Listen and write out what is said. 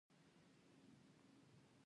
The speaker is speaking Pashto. افغانستان یو وقار لرونکی هیواد ده